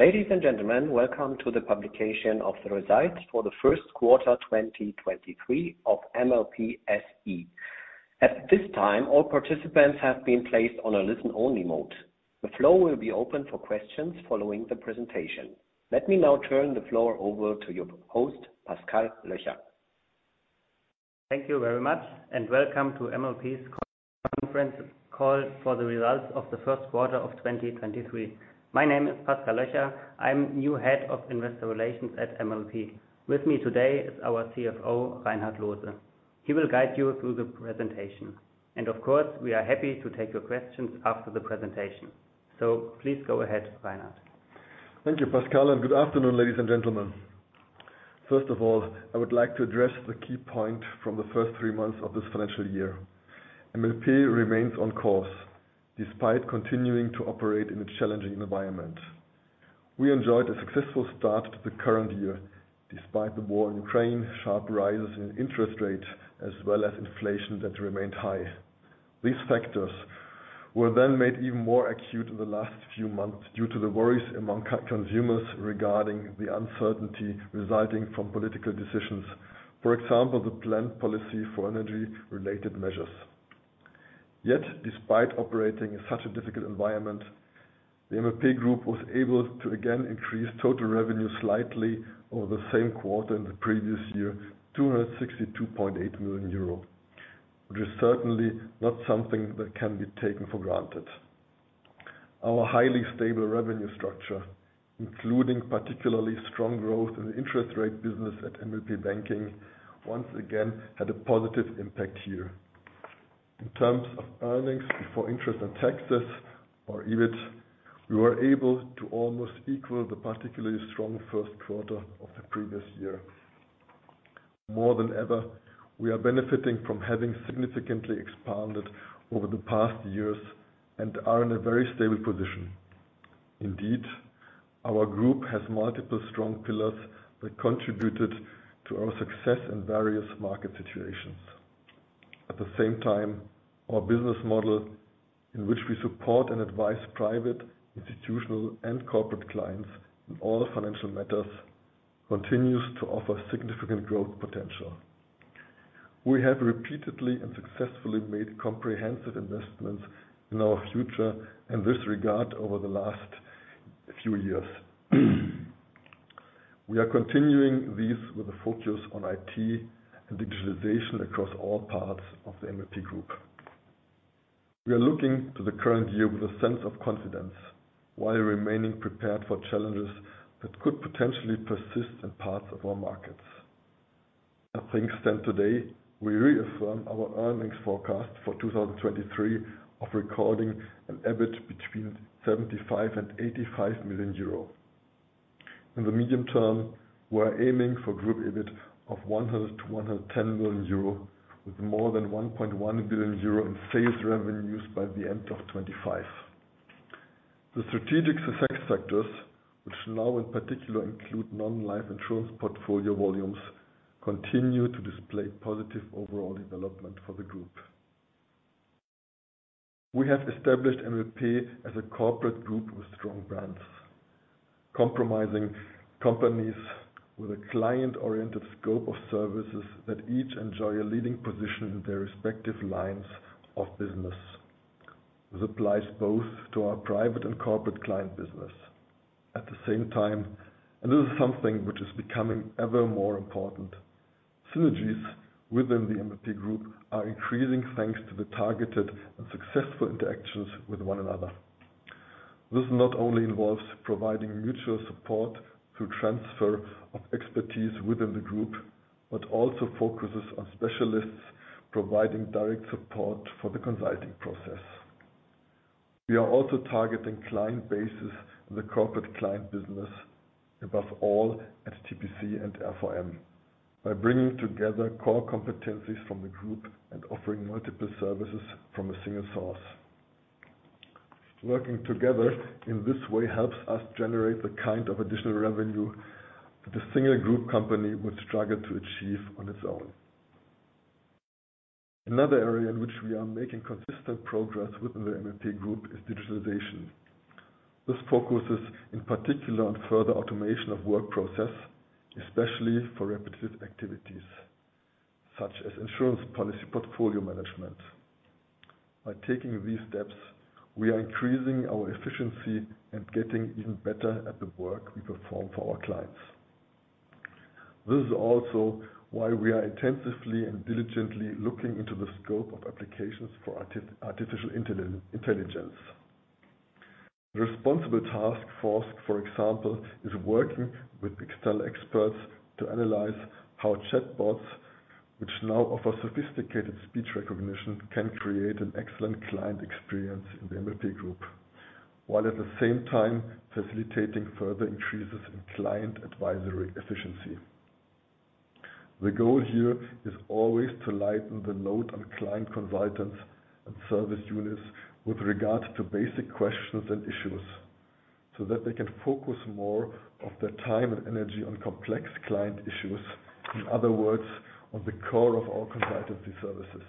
Ladies and gentlemen, welcome to the publication of the results for the first quarter 2023 of MLP SE. At this time, all participants have been placed on a listen-only mode. The floor will be open for questions following the presentation. Let me now turn the floor over to your host, Pascal Löcher. Thank you very much. Welcome to MLP's conference call for the results of the first quarter of 2023. My name is Pascal Löcher. I'm new head of investor relations at MLP. With me today is our CFO, Reinhard Loose. He will guide you through the presentation. Of course, we are happy to take your questions after the presentation. Please go ahead, Reinhard. Thank you, Pascal. Good afternoon, ladies and gentlemen. First of all, I would like to address the key point from the first three months of this financial year. MLP remains on course, despite continuing to operate in a challenging environment. We enjoyed a successful start to the current year, despite the war in Ukraine, sharp rises in interest rate, as well as inflation that remained high. These factors were made even more acute in the last few months due to the worries among co-consumers regarding the uncertainty resulting from political decisions. For example, the planned policy for energy-related measures. Despite operating in such a difficult environment, the MLP Group was able to again increase total revenue slightly over the same quarter in the previous year, 262.8 million euro, which is certainly not something that can be taken for granted. Our highly stable revenue structure, including particularly strong growth in the interest rate business at MLP Banking, once again, had a positive impact here. In terms of earnings before interest and taxes, or EBIT, we were able to almost equal the particularly strong first quarter of the previous year. More than ever, we are benefiting from having significantly expanded over the past years and are in a very stable position. Indeed, our group has multiple strong pillars that contributed to our success in various market situations. At the same time, our business model, in which we support and advise private, institutional, and corporate clients in all financial matters, continues to offer significant growth potential. We have repeatedly and successfully made comprehensive investments in our future in this regard over the last few years. We are continuing these with a focus on IT and digitalization across all parts of the MLP Group. We are looking to the current year with a sense of confidence while remaining prepared for challenges that could potentially persist in parts of our markets. As things stand today, we reaffirm our earnings forecast for 2023 of recording an EBIT between 75 million and 85 million euro. In the medium term, we are aiming for group EBIT of 100 million-110 million euro with more than 1.1 billion euro in sales revenues by the end of 2025. The strategic success factors, which now in particular include non-life insurance portfolio volumes, continue to display positive overall development for the group. We have established MLP as a corporate group with strong brands, comprising companies with a client-oriented scope of services that each enjoy a leading position in their respective lines of business. This applies both to our private and corporate client business. At the same time, this is something which is becoming ever more important, synergies within the MLP Group are increasing, thanks to the targeted and successful interactions with one another. This not only involves providing mutual support through transfer of expertise within the group, but also focuses on specialists providing direct support for the consulting process. We are also targeting client bases in the corporate client business, above all at TPC and F4M, by bringing together core competencies from the group and offering multiple services from a single source. Working together in this way helps us generate the kind of additional revenue that a single group company would struggle to achieve on its own. Another area in which we are making consistent progress within the MLP Group is digitalization. This focuses in particular on further automation of work process, especially for repetitive activities, such as insurance policy portfolio management. By taking these steps, we are increasing our efficiency and getting even better at the work we perform for our clients. This is also why we are intensively and diligently looking into the scope of applications for artificial intelligence. The responsible task force, for example, is working with external experts to analyze how chatbots, which now offer sophisticated speech recognition, can create an excellent client experience in the MLP Group, while at the same time facilitating further increases in client advisory efficiency. The goal here is always to lighten the load on client consultants and service units with regard to basic questions and issues, so that they can focus more of their time and energy on complex client issues. In other words, on the core of our consultancy services.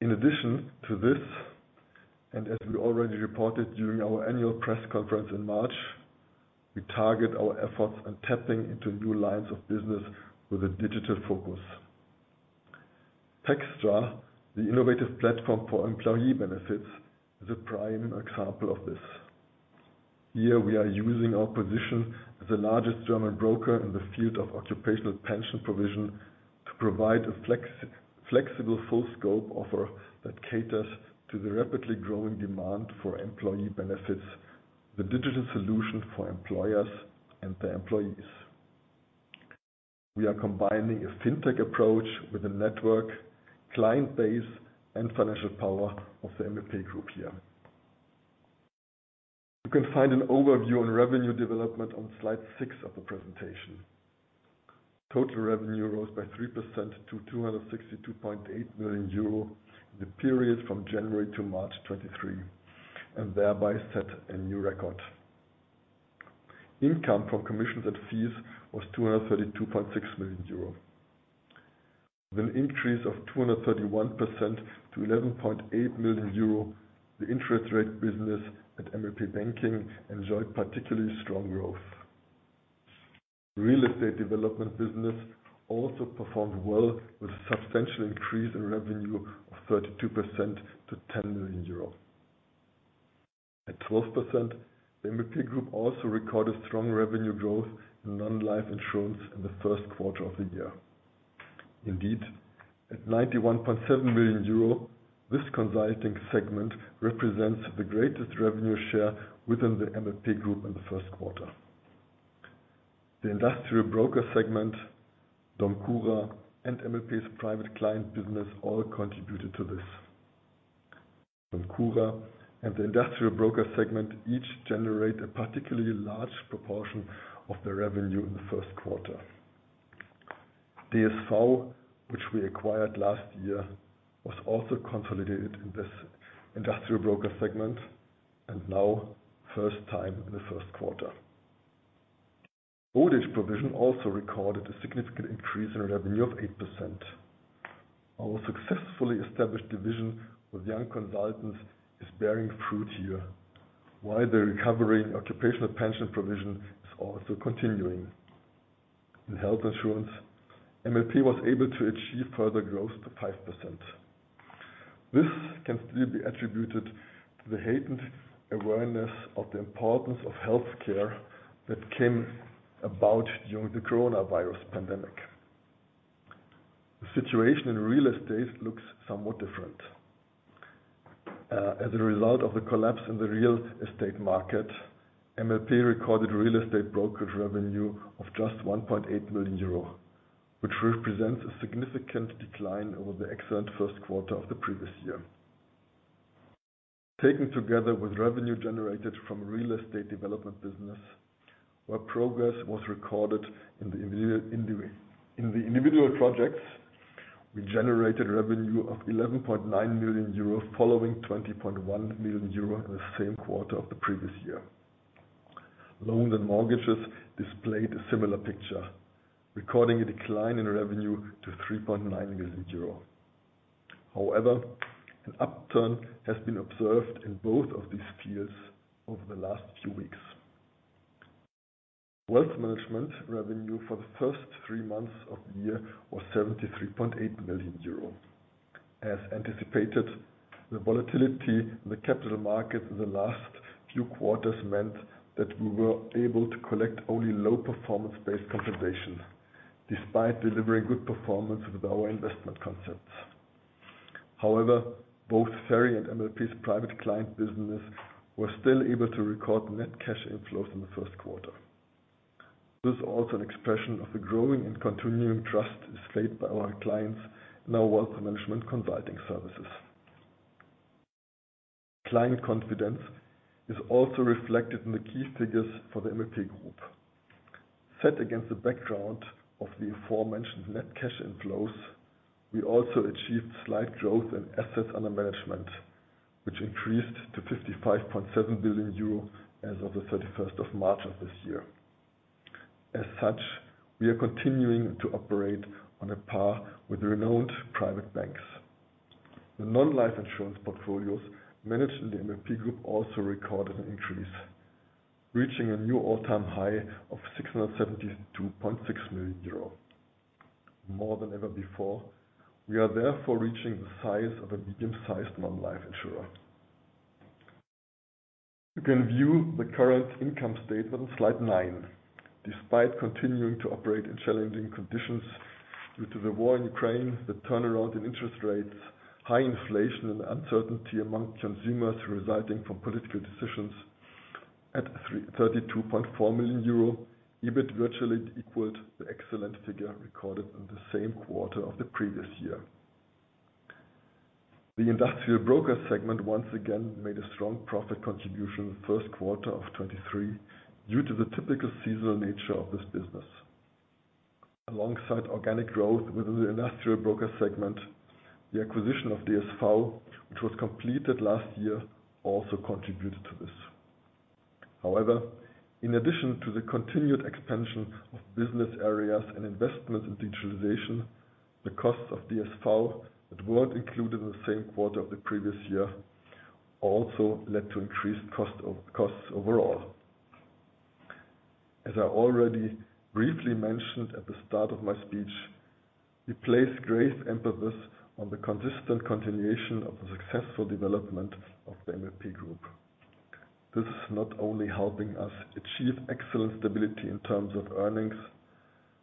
In addition to this, and as we already reported during our annual press conference in March, we target our efforts on tapping into new lines of business with a digital focus. pexx, the innovative platform for employee benefits, is a prime example of this. Here we are using our position as the largest German broker in the field of occupational pension provision to provide a flexible, full scope offer that caters to the rapidly growing demand for employee benefits, the digital solution for employers and their employees. We are combining a fintech approach with a network, client base and financial power of the MLP Group here. You can find an overview on revenue development on slide 6 of the presentation. Total revenue rose by 3% to 262.8 million euro in the period from January to March 2023, and thereby set a new record. Income from commissions and fees was 232.6 million euro. With an increase of 231% to 11.8 million euro, the interest rate business at MLP Banking enjoyed particularly strong growth. Real estate development business also performed well, with a substantial increase in revenue of 32% to 10 million euros. At 12%, the MLP Group also recorded strong revenue growth in non-life insurance in the first quarter of the year. Indeed, at 91.7 million euro, this consulting segment represents the greatest revenue share within the MLP Group in the first quarter. The industrial broker segment, DOMCURA and MLP's private client business all contributed to this. DOMCURA and the industrial broker segment each generate a particularly large proportion of their revenue in the first quarter. DSV, which we acquired last year, was also consolidated in this industrial broker segment, and now first time in the first quarter. Audits provision also recorded a significant increase in revenue of 8%. Our successfully established division with young consultants is bearing fruit here. While the recovery in occupational pension provision is also continuing. In health insurance, MLP was able to achieve further growth to 5%. This can still be attributed to the heightened awareness of the importance of health care that came about during the coronavirus pandemic. The situation in real estate looks somewhat different. As a result of the collapse in the real estate market, MLP recorded real estate brokerage revenue of just 1.8 million euro, which represents a significant decline over the excellent first quarter of the previous year. Taken together with revenue generated from real estate development business, where progress was recorded in the individual projects, we generated revenue of 11.9 million euro, following 20.1 million euro in the same quarter of the previous year. Loans and mortgages displayed a similar picture, recording a decline in revenue to 3.9 million euro. However, an upturn has been observed in both of these fields over the last few weeks. Wealth management revenue for the first three months of the year was 73.8 million euro. As anticipated, the volatility in the capital market in the last few quarters meant that we were able to collect only low performance-based compensation despite delivering good performance with our investment concepts. However, both FERI and MLP's private client business were still able to record net cash inflows in the first quarter. This is also an expression of the growing and continuing trust displayed by our clients in our wealth management consulting services. Client confidence is also reflected in the key figures for the MLP Group. Set against the background of the aforementioned net cash inflows, we also achieved slight growth in Assets Under Management, which increased to 55.7 billion euro as of the 31st of March of this year. As such, we are continuing to operate on a par with renowned private banks. The non-life insurance portfolios managed in the MLP Group also recorded an increase, reaching a new all-time high of 672.6 million euro. More than ever before, we are therefore reaching the size of a medium-sized non-life insurer. You can view the current income statement on slide nine. Despite continuing to operate in challenging conditions due to the war in Ukraine, the turnaround in interest rates, high inflation and uncertainty among consumers resulting from political decisions, at 32.4 million euro, EBIT virtually equaled the excellent figure recorded in the same quarter of the previous year. The industrial broker segment once again made a strong profit contribution in the first quarter of 2023 due to the typical seasonal nature of this business. Alongside organic growth within the industrial broker segment, the acquisition of DSV, which was completed last year, also contributed to this. In addition to the continued expansion of business areas and investments in digitalization, the costs of DSV that weren't included in the same quarter of the previous year also led to increased costs overall. As I already briefly mentioned at the start of my speech, we place great emphasis on the consistent continuation of the successful development of the MLP Group. This is not only helping us achieve excellent stability in terms of earnings,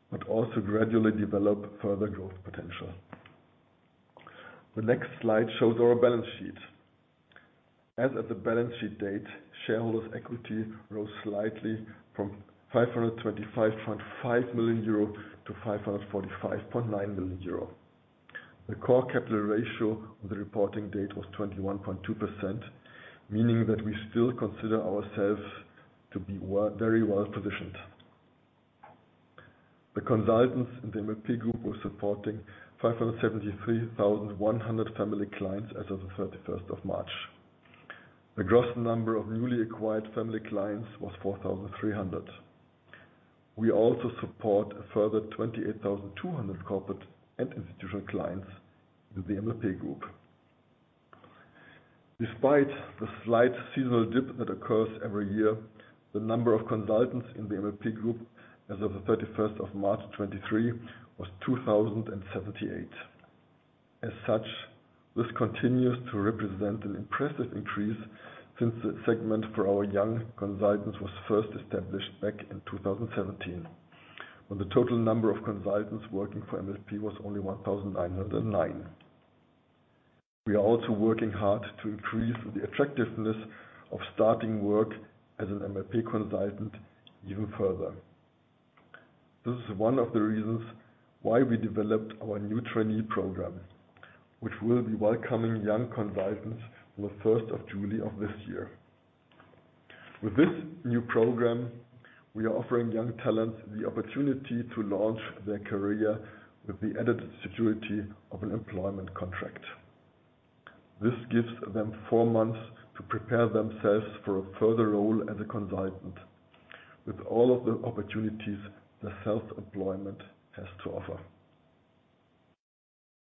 but also gradually develop further growth potential. The next slide shows our balance sheet. As of the balance sheet date, shareholders' equity rose slightly from 525.5 million euro to 545.9 million euro. The core capital ratio of the reporting date was 21.2%, meaning that we still consider ourselves to be very well positioned. The consultants in the MLP Group were supporting 573,100 family clients as of the 31st of March. The gross number of newly acquired family clients was 4,300. We also support a further 28,200 corporate and institutional clients with the MLP Group. Despite the slight seasonal dip that occurs every year, the number of consultants in the MLP Group as of the 31st of March 2023 was 2,078. As such, this continues to represent an impressive increase since the segment for our young consultants was first established back in 2017, when the total number of consultants working for MLP was only 1,909. We are also working hard to increase the attractiveness of starting work as an MLP consultant even further. This is one of the reasons why we developed our new trainee program, which will be welcoming young consultants on the first of July of this year. With this new program, we are offering young talent the opportunity to launch their career with the added security of an employment contract. This gives them four months to prepare themselves for a further role as a consultant, with all of the opportunities that self-employment has to offer.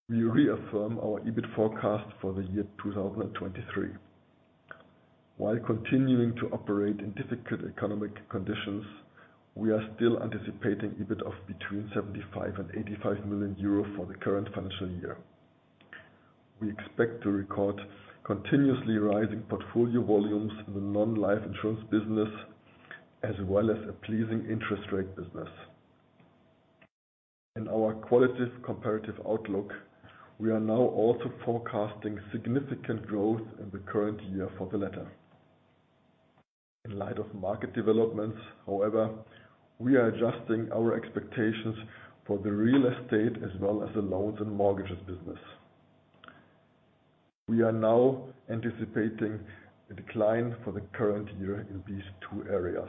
We reaffirm our EBIT forecast for the year 2023. While continuing to operate in difficult economic conditions, we are still anticipating EBIT of between 75 million and 85 million euro for the current financial year. We expect to record continuously rising portfolio volumes in the non-life insurance business, as well as a pleasing interest rate business. In our qualitative comparative outlook, we are now also forecasting significant growth in the current year for the latter. In light of market developments, however, we are adjusting our expectations for the real estate as well as the loans and mortgages business. We are now anticipating a decline for the current year in these two areas.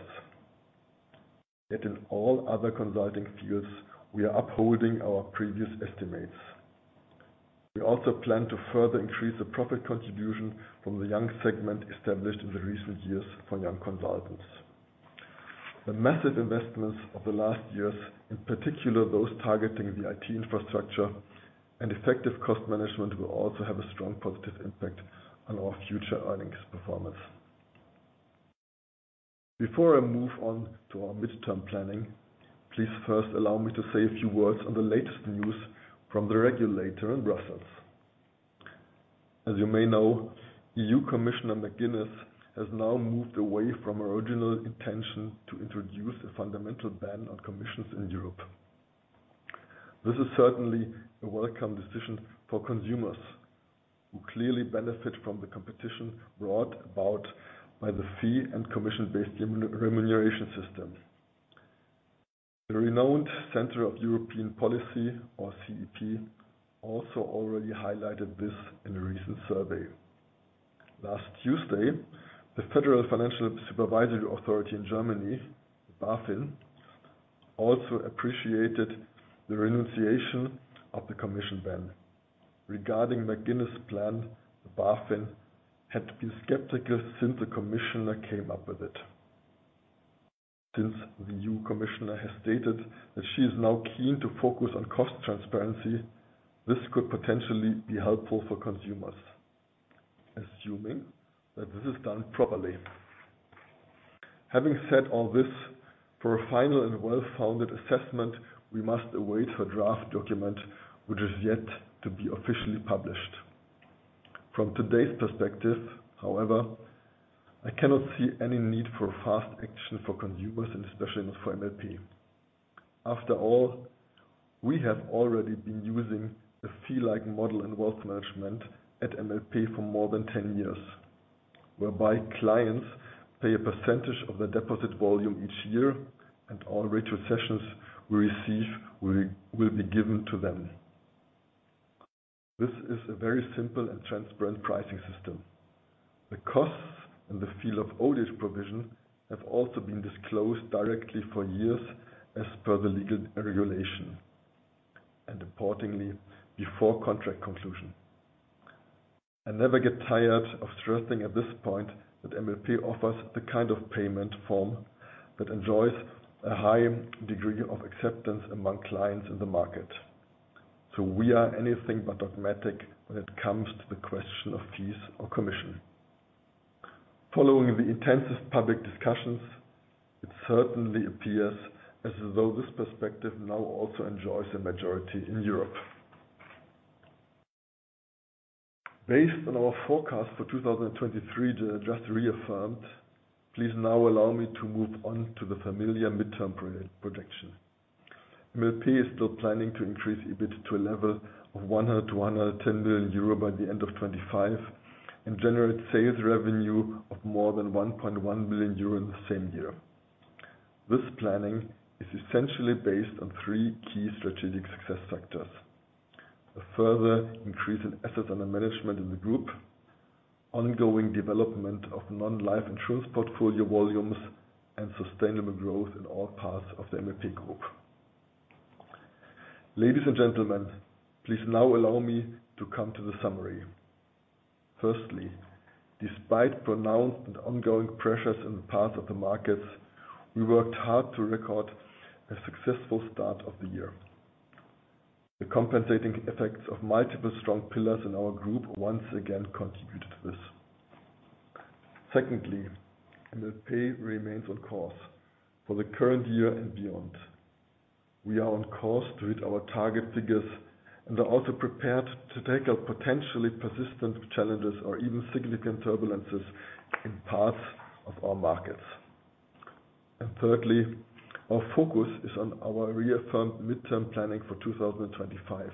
Yet in all other consulting fields, we are upholding our previous estimates. We also plan to further increase the profit contribution from the young segment established in the recent years for young consultants. The massive investments of the last years, in particular, those targeting the IT infrastructure and effective cost management, will also have a strong positive impact on our future earnings performance. Before I move on to our midterm planning, please first allow me to say a few words on the latest news from the regulator in Brussels. As you may know, EU Commissioner McGuinness has now moved away from her original intention to introduce a fundamental ban on commissions in Europe. This is certainly a welcome decision for consumers who clearly benefit from the competition brought about by the fee and commission-based remuneration system. The renowned Center of European Policy, or CEP, also already highlighted this in a recent survey. Last Tuesday, the Federal Financial Supervisory Authority in Germany, BaFin, also appreciated the renunciation of the commission ban. Regarding McGuinness' plan, BaFin had been skeptical since the commissioner came up with it. Since the new commissioner has stated that she is now keen to focus on cost transparency, this could potentially be helpful for consumers, assuming that this is done properly. Having said all this, for a final and well-founded assessment, we must await her draft document, which is yet to be officially published. From today's perspective, however, I cannot see any need for fast action for consumers, and especially not for MLP. After all, we have already been using a fee-like model in wealth management at MLP for more than 10 years, whereby clients pay a percentage of their deposit volume each year, and all retrocessions we receive will be given to them. This is a very simple and transparent pricing system. The costs and the fee of old age provision have also been disclosed directly for years as per the legal regulation, and importantly, before contract conclusion. I never get tired of stressing at this point that MLP offers the kind of payment form that enjoys a high degree of acceptance among clients in the market. We are anything but dogmatic when it comes to the question of fees or commission. Following the intensive public discussions, it certainly appears as though this perspective now also enjoys a majority in Europe. Based on our forecast for 2023, just reaffirmed, please now allow me to move on to the familiar midterm pro-projection. MLP is still planning to increase EBIT to a level of 100 billion-110 billion euro by the end of 25 and generate sales revenue of more than 1.1 billion euro in the same year. This planning is essentially based on three key strategic success factors. A further increase in Assets Under Management in the group, ongoing development of non-life insurance portfolio volumes, and sustainable growth in all parts of the MLP Group. Ladies and gentlemen, please now allow me to come to the summary. Firstly, despite pronounced and ongoing pressures in the parts of the markets, we worked hard to record a successful start of the year. The compensating effects of multiple strong pillars in our group once again contributed to this. Secondly, MLP remains on course for the current year and beyond. We are on course to hit our target figures and are also prepared to take up potentially persistent challenges or even significant turbulences in parts of our markets. Thirdly, our focus is on our reaffirmed midterm planning for 2025.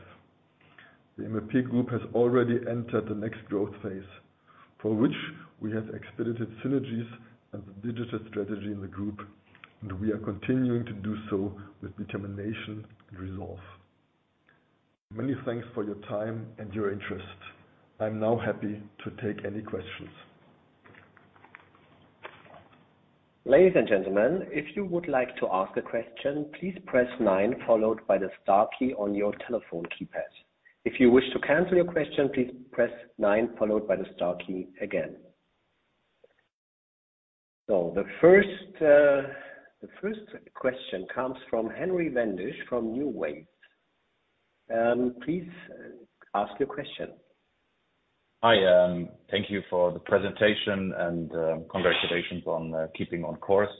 The MLP Group has already entered the next growth phase, for which we have expedited synergies and the digital strategy in the group, and we are continuing to do so with determination and resolve. Many thanks for your time and your interest. I'm now happy to take any questions. Ladies and gentlemen, if you would like to ask a question, please press nine followed by the star key on your telephone keypad. If you wish to cancel your question, please press nine followed by the star key again. The first question comes from Henry Wendisch from NuWays. Please ask your question. Hi, thank you for the presentation and congratulations on keeping on course.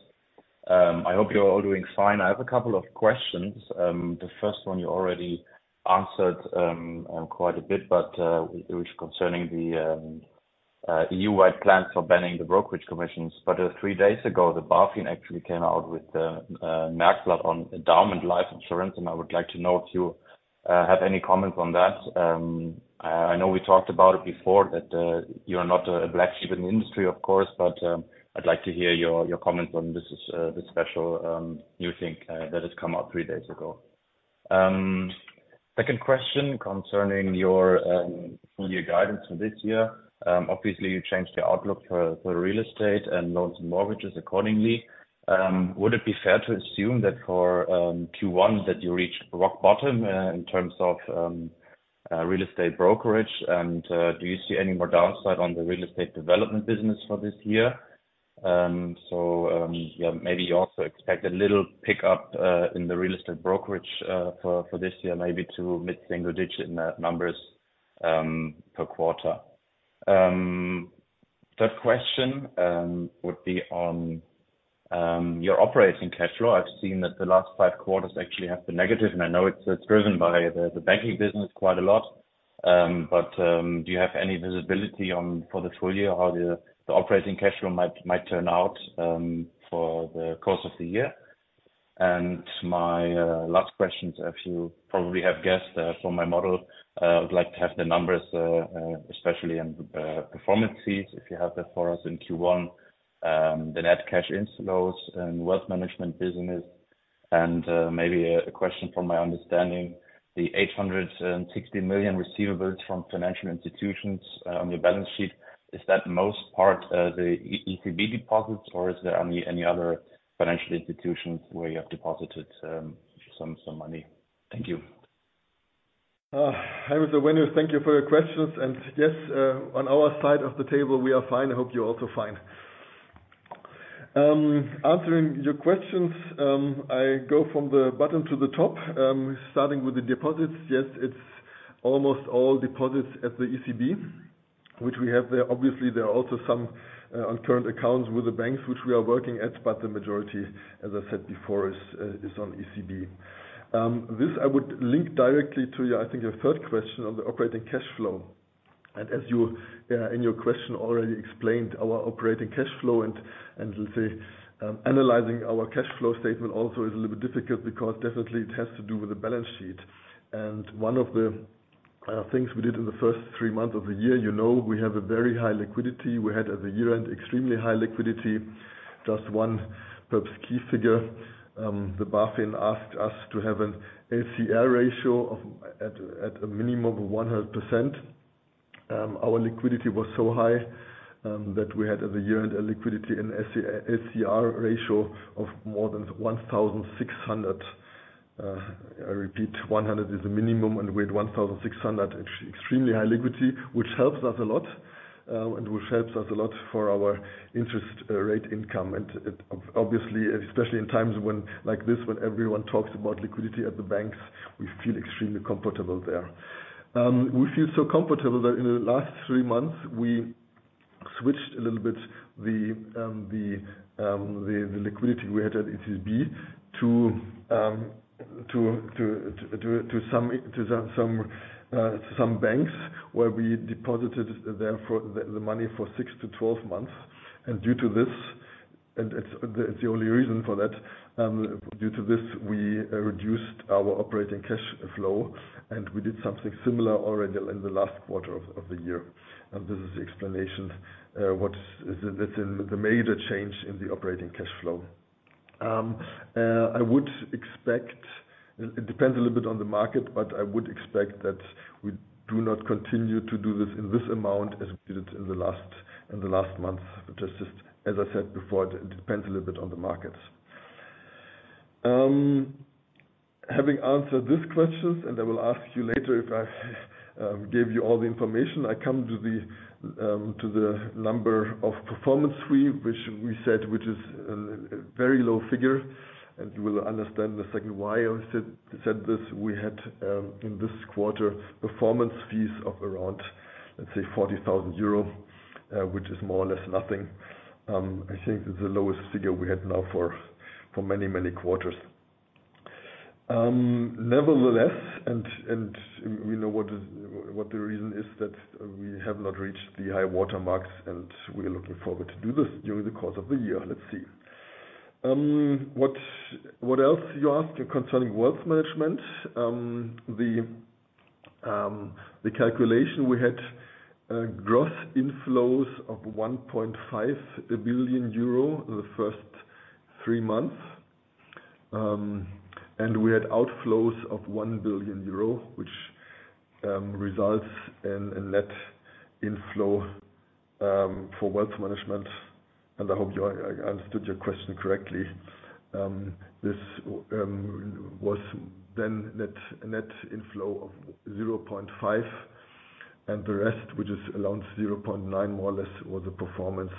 I hope you're all doing fine. I have a couple of questions. The first one you already answered quite a bit, but it was concerning the EU-wide plans for banning the brokerage commissions. Three days ago, the BaFin actually came out with a max lot on endowment life insurance. I would like to know if you have any comments on that. I know we talked about it before that you are not a black sheep in the industry, of course, but I'd like to hear your comments on this special new thing that has come out three days ago. Second question concerning your full year guidance for this year. Obviously you changed your outlook for real estate and loans and mortgages accordingly. Would it be fair to assume that for Q1 that you reached rock bottom in terms of real estate brokerage? Do you see any more downside on the real estate development business for this year? Yeah, maybe you also expect a little pickup in the real estate brokerage for this year, maybe to mid-single digit in the numbers per quarter. Third question would be on your operating cash flow. I've seen that the last 5 quarters actually have been negative, and I know it's driven by the banking business quite a lot. Do you have any visibility on for the full year, how the operating cash flow might turn out for the course of the year? My last question, as you probably have guessed from my model, I would like to have the numbers especially in performance fees, if you have that for us in Q1. The net cash inflows and wealth management business. Maybe a question from my understanding, the 860 million receivables from financial institutions on your balance sheet, is that most part the ECB deposits, or is there any other financial institutions where you have deposited some money? Thank you. Henry Wendisch, thank you for your questions. Yes, on our side of the table, we are fine. I hope you're also fine. Answering your questions, I go from the bottom to the top. Starting with the deposits. Yes, it's almost all deposits at the ECB, which we have there. Obviously, there are also some on current accounts with the banks, which we are working at, but the majority, as I said before, is on ECB. This I would link directly to, I think, your third question on the operating cash flow. As you in your question already explained, our operating cash flow and, let's say, analyzing our cash flow statement also is a little bit difficult because definitely it has to do with the balance sheet. One of the things we did in the first three months of the year, you know, we have a very high liquidity. We had at the year-end extremely high liquidity. Just one perhaps key figure. The BaFin asked us to have an SCR ratio of at a minimum of 100%. Our liquidity was so high that we had at the year-end a liquidity and SCR ratio of more than 1,600%. I repeat 100 is the minimum, and we had 1,600, extremely high liquidity, which helps us a lot and which helps us a lot for our interest rate income. Obviously, especially in times like this, when everyone talks about liquidity at the banks, we feel extremely comfortable there. We feel so comfortable that in the last 3 months, we switched a little bit the liquidity we had at ECB to some banks where we deposited there for the money for 6 to 12 months. Due to this, that's the only reason for that. Due to this, we reduced our operating cash flow, and we did something similar already in the last quarter of the year. This is the explanation, that's in the major change in the operating cash flow. I would expect. It depends a little bit on the market, but I would expect that we do not continue to do this in this amount as we did in the last month. Just as I said before, it depends a little bit on the market. Having answered these questions, and I will ask you later if I gave you all the information. I come to the number of performance fee, which we said, which is a very low figure, and you will understand in a second why I said this. We had in this quarter, performance fees of around, let's say 40,000 euro, which is more or less nothing. I think it's the lowest figure we had now for many quarters. Nevertheless, and we know what the reason is that we have not reached the high water marks, and we are looking forward to do this during the course of the year. Let's see. What else you asked concerning wealth management. The calculation, we had gross inflows of 1.5 billion euro the first 3 months. We had outflows of 1 billion euro, which results in a net inflow for wealth management, I hope I understood your question correctly. This was then net, a net inflow of 0.5 billion, the rest, which is around 0.9 billion, more or less, was a performance.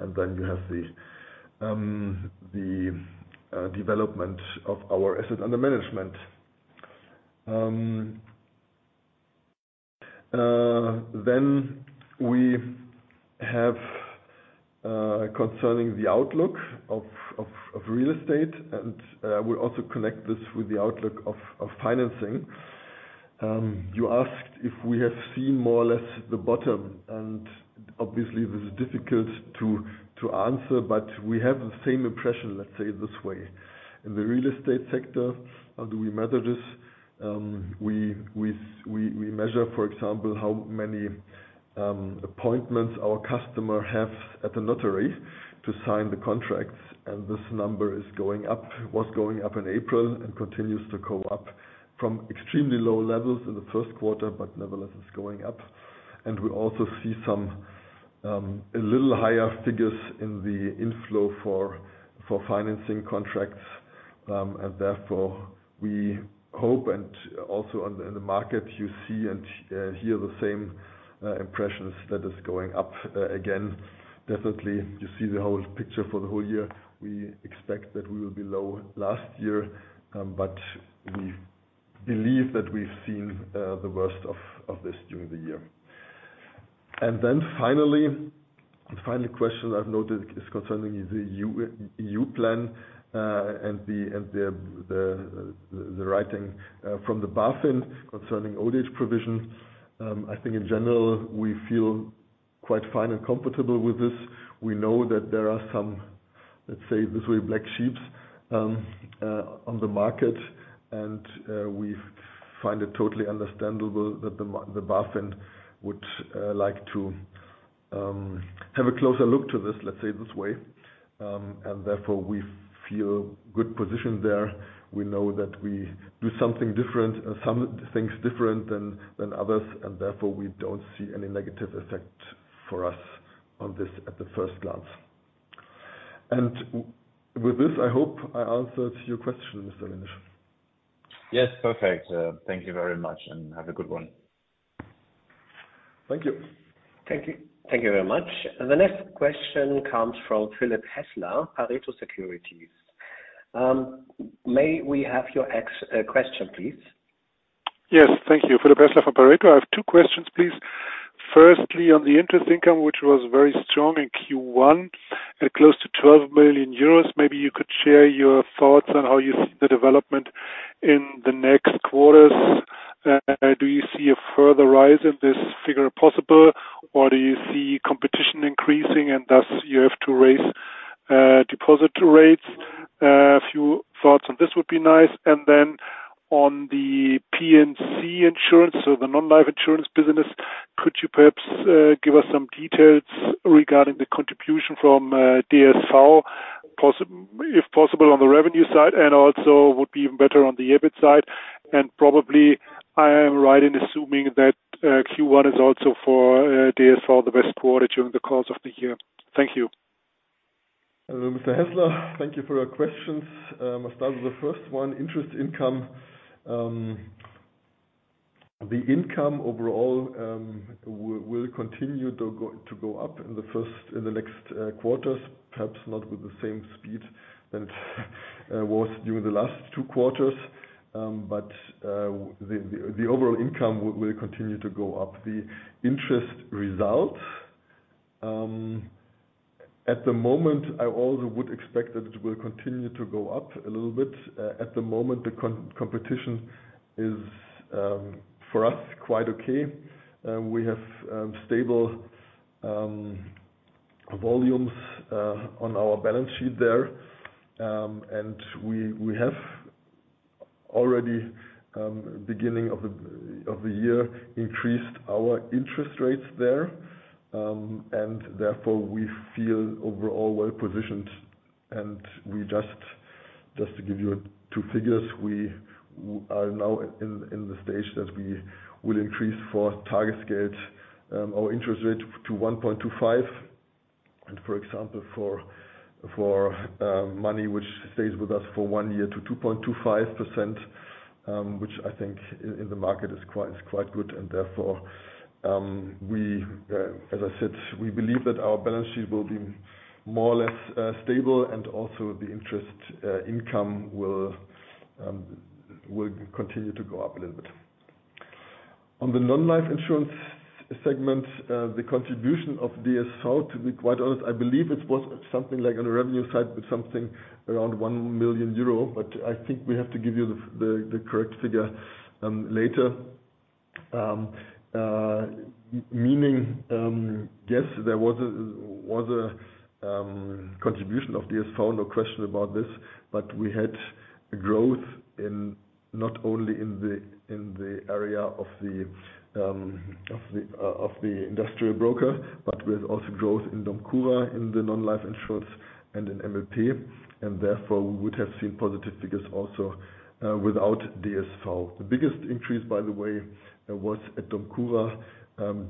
You have the development of our Assets Under Management. We have concerning the outlook of real estate, we also connect this with the outlook of financing. You asked if we have seen more or less the bottom, obviously, this is difficult to answer, we have the same impression, let's say, this way. In the real estate sector, how do we measure this? We measure, for example, how many appointments our customer have at the notary to sign the contracts. This number is going up. Was going up in April and continues to go up from extremely low levels in the first quarter. Nevertheless, it's going up. We also see some a little higher figures in the inflow for financing contracts. Therefore, we hope and also in the market you see and hear the same impressions that is going up again. Definitely, you see the whole picture for the whole year. We expect that we will be low last year, but we believe that we've seen the worst of this during the year. Finally, the final question I've noted is concerning the EU plan and the writing from the BaFin concerning old age provisions. I think in general, we feel quite fine and comfortable with this. We know that there are some, let's say, this way, black sheeps on the market, and we find it totally understandable that the BaFin would like to have a closer look to this, let's say, this way. Therefore we feel good position there. We know that we do something different, some things different than others, therefore we don't see any negative effect for us on this at the first glance. With this, I hope I answered your question, Mr. Lindner. Yes, perfect. Thank you very much and have a good one. Thank you. Thank you. Thank you very much. The next question comes from Philipp Häßler, Pareto Securities. May we have your question, please? Yes. Thank you. Philipp Häßler from Pareto Securities. I have two questions, please. Firstly, on the interest income, which was very strong in Q1 at close to 12 million euros, maybe you could share your thoughts on how you see the development in the next quarters. Do you see a further rise in this figure possible, or do you see competition increasing and thus you have to raise deposit rates? A few thoughts on this would be nice. On the P&C Insurance, so the non-life insurance business, could you perhaps give us some details regarding the contribution from DSV if possible, on the revenue side, and also would be even better on the EBIT side? Probably, I am right in assuming that Q1 is also for DSV, the best quarter during the course of the year. Thank you. Hello, Mr. Häßler. Thank you for your questions. I'll start with the first one. Interest income. The income overall will continue to go up in the next quarters, perhaps not with the same speed that it was during the last two quarters. The overall income will continue to go up. The interest result, at the moment I also would expect that it will continue to go up a little bit. At the moment the competition is for us quite okay. We have stable volumes on our balance sheet there. We have already beginning of the year increased our interest rates there. Therefore we feel overall well positioned. Just to give you two figures, we are now in the stage that we will increase for target scale, our interest rate to 1.25. For example, for money which stays with us for one year to 2.25%, which I think in the market is quite good. Therefore, we, as I said, we believe that our balance sheet will be more or less stable and also the interest income will continue to go up a little bit. On the non-life insurance segment, the contribution of DSV to be quite honest, I believe it was something like on the revenue side with something around 1 million euro. I think we have to give you the correct figure later. Meaning, yes, there was a contribution of DSV, no question about this. We had growth in not only in the area of the industrial broker, but with also growth in DOMCURA, in the non-life insurance and in MLP. Therefore, we would have seen positive figures also without DSV. The biggest increase, by the way, was at DOMCURA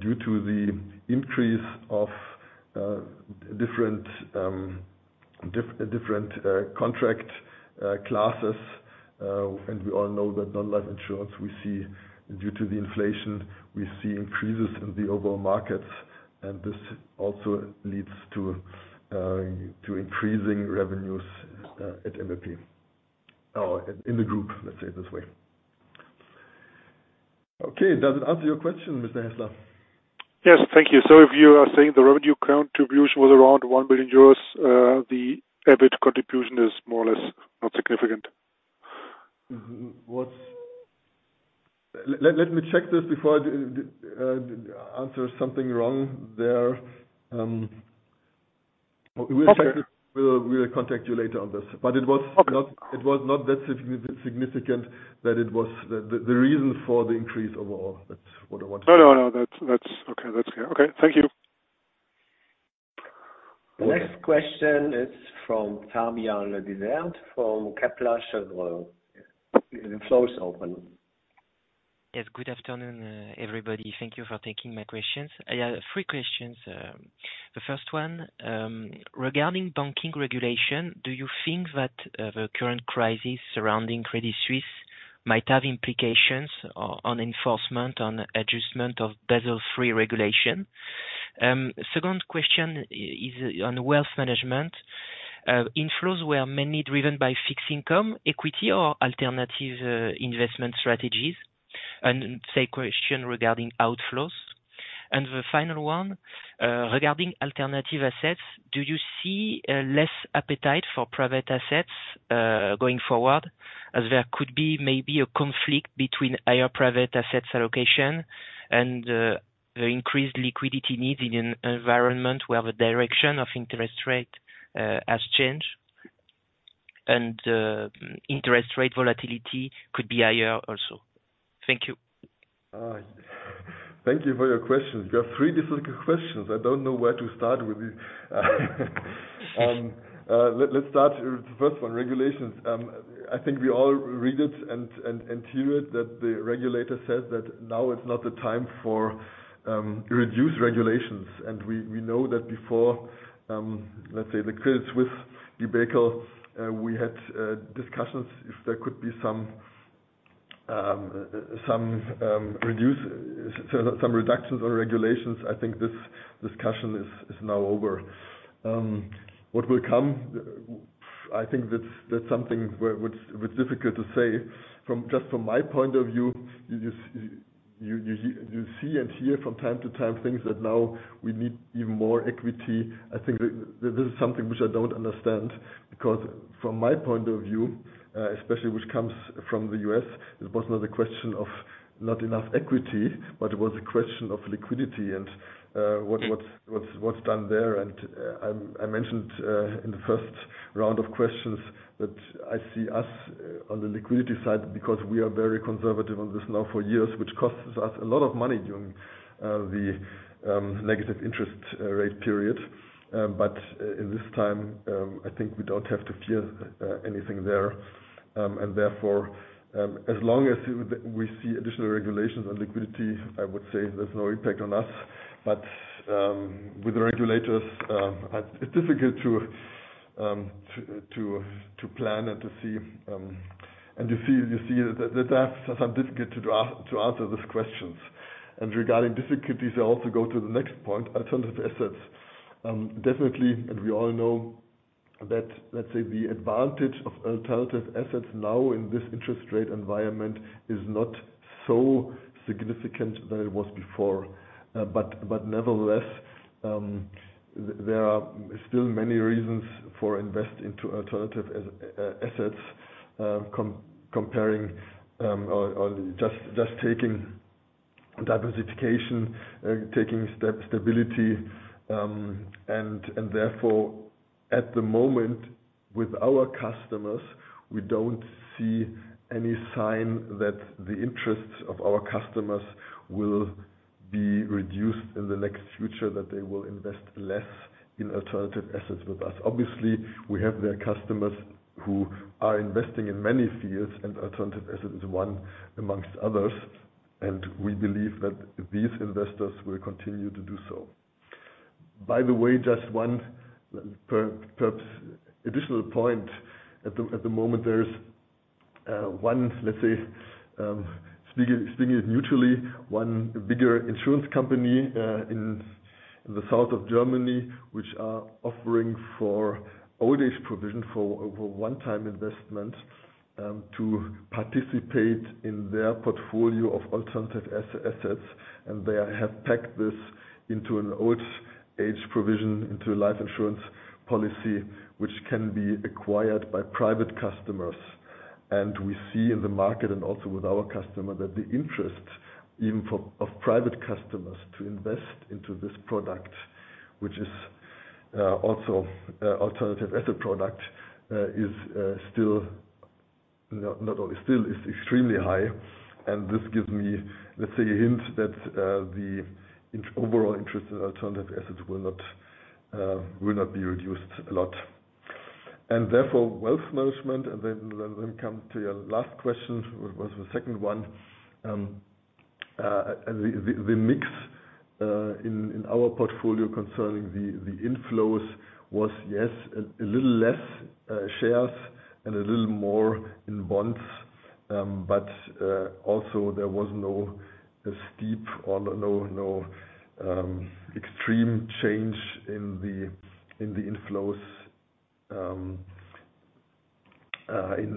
due to the increase of different contract classes. We all know that non-life insurance we see due to the inflation, we see increases in the overall markets, and this also leads to increasing revenues at MLP. In the group, let's say it this way. Okay. Does it answer your question, Mr. Hasler? Yes. Thank you. If you are saying the revenue contribution was around 1 billion euros, the EBIT contribution is more or less not significant. Mm-hmm. What... Let me check this before I answer something wrong there. We'll check it. Okay. We'll contact you later on this. Okay. not, it was not that significant that it was the reason for the increase overall. That's what I wanted to say. No, no. That's okay. That's clear. Okay. Thank you. Okay. The next question is from Fabian Ledent from Kepler Cheuvreux. The floor is open. Yes. Good afternoon, everybody. Thank you for taking my questions. I have three questions. The first one, regarding banking regulation, do you think that the current crisis surrounding Credit Suisse might have implications on enforcement, on adjustment of Basel III regulation? Second question is on wealth management. Inflows were mainly driven by fixed income equity or alternative investment strategies. Same question regarding outflows. The final one, regarding alternative assets, do you see less appetite for private assets going forward? As there could be maybe a conflict between higher private assets allocation and the increased liquidity needs in an environment where the direction of interest rate has changed. Interest rate volatility could be higher also. Thank you. Thank you for your questions. You have three difficult questions. I don't know where to start with it. Let's start with the first one, regulations. I think we all read it and hear it, that the regulator says that now is not the time for reduced regulations. We know that before, let's say the Credit Suisse debacle, we had discussions if there could be some reductions on regulations. I think this discussion is now over. What will come, I think that's something which is difficult to say. From my point of view, you see and hear from time to time things that now we need even more equity. I think this is something which I don't understand because from my point of view, especially which comes from the U.S., it was not a question of not enough equity, but it was a question of liquidity and. Mm-hmm. What's done there. I mentioned in the first round of questions that I see us on the liquidity side because we are very conservative on this now for years, which costs us a lot of money during the negative interest rate period. In this time, I think we don't have to fear anything there. As long as we see additional regulations on liquidity, I would say there's no impact on us. With the regulators, it's difficult to plan and to see. You see that that's some difficult to answer these questions. Regarding difficulties, I also go to the next point, alternative assets. Definitely, we all know that, let's say, the advantage of alternative assets now in this interest rate environment is not so significant than it was before. Nevertheless, there are still many reasons for invest into alternative assets, comparing or just taking diversification, taking stability. Therefore, at the moment with our customers, we don't see any sign that the interests of our customers will be reduced in the next future, that they will invest less in alternative assets with us. Obviously, we have their customers who are investing in many fields, alternative asset is one amongst others, and we believe that these investors will continue to do so. By the way, just one perhaps additional point. At the moment, there's 1, let's say, mutually, 1 bigger insurance company in the south of Germany, which are offering for old age provision for over 1 time investment to participate in their portfolio of alternative assets, and they have packed this into an old age provision, into a life insurance policy which can be acquired by private customers. We see in the market and also with our customer that the interest of private customers to invest into this product. Which is also alternative asset product, is not only still, is extremely high. This gives me, let's say, a hint that the overall interest in alternative assets will not be reduced a lot. Therefore, wealth management then come to your last question. What was the second one? The mix in our portfolio concerning the inflows was, yes, a little less shares and a little more in bonds. Also there was no steep or no extreme change in the inflows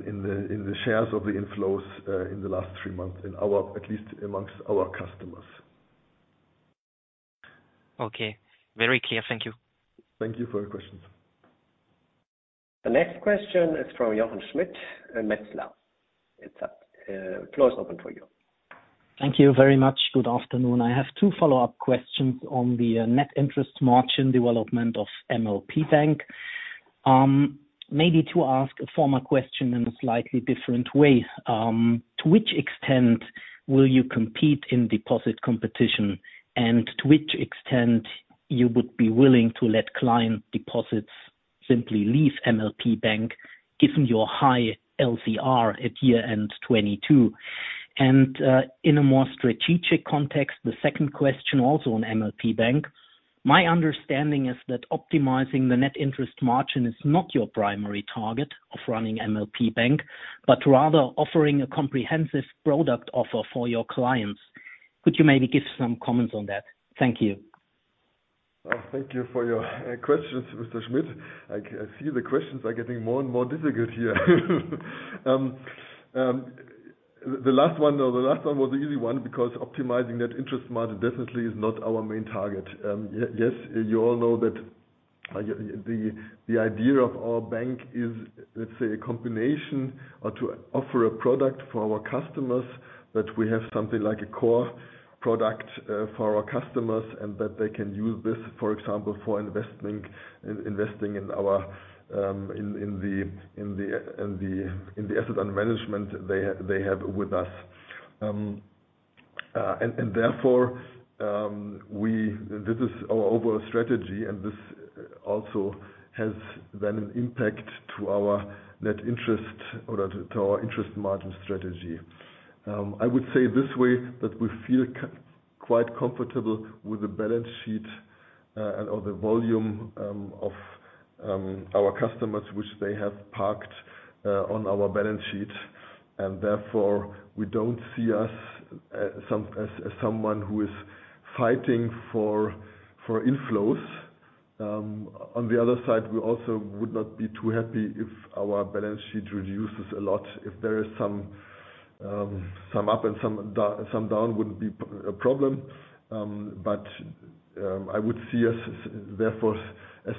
in the shares of the inflows in the last three months at least amongst our customers. Okay. Very clear. Thank you. Thank you for your questions. The next question is from Jochen Schmidt and Metzler. It's up. Floor is open for you. Thank you very much. Good afternoon. I have two follow-up questions on the net interest margin development of MLP Bank. Maybe to ask a former question in a slightly different way. To which extent will you compete in deposit competition? To which extent you would be willing to let client deposits simply leave MLP Bank, given your high LCR at year end 2022? In a more strategic context, the second question also on MLP Bank. My understanding is that optimizing the net interest margin is not your primary target of running MLP Bank, but rather offering a comprehensive product offer for your clients. Could you maybe give some comments on that? Thank you. Thank you for your questions, Mr. Schmidt. I see the questions are getting more and more difficult here. The last one, no. The last one was the easy one because optimizing that interest margin definitely is not our main target. yes, you all know that the idea of our bank is, let's say, a combination or to offer a product for our customers, that we have something like a core product, for our customers and that they can use this, for example, for investing in our, in the asset and management they have with us. Therefore, this is our overall strategy, and this also has then an impact to our net interest or to our interest margin strategy. I would say this way, that we feel quite comfortable with the balance sheet, and or the volume of our customers which they have parked on our balance sheet. Therefore we don't see us as someone who is fighting for inflows. On the other side, we also would not be too happy if our balance sheet reduces a lot. If there is some up and some down, some down wouldn't be a problem. I would see us therefore as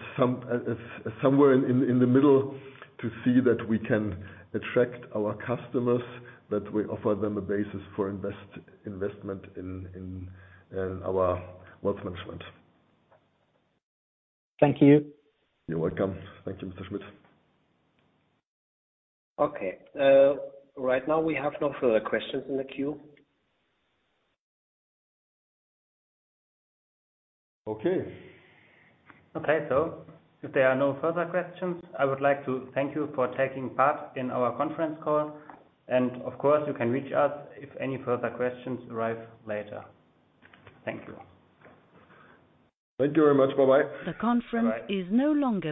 somewhere in the middle to see that we can attract our customers, that we offer them a basis for investment in our wealth management. Thank you. You're welcome. Thank you, Mr. Schmidt. Okay. Right now we have no further questions in the queue. Okay. Okay. If there are no further questions, I would like to thank you for taking part in our conference call. Of course, you can reach out if any further questions arise later. Thank you. Thank you very much. Bye-bye. Bye. The conference is no longer-